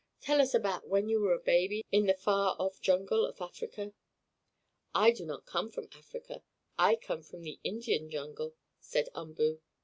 Tell us about when you were a baby in the far off jungle of Africa." "I did not come from Africa; I came from an Indian jungle," said Umboo.